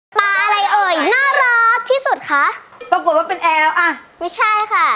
ปลาอะไรเอ่ยน่ารักที่สุดคะปรากฏว่าเป็นแอลอ่ะไม่ใช่ค่ะ